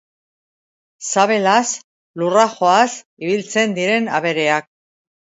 Sabelaz lurra joaz ibiltzen diren abereak.